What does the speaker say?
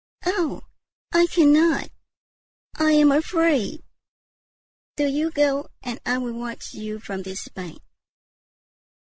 "Oh, I cannot; I am afraid. Do you go, and I will watch you from this bank."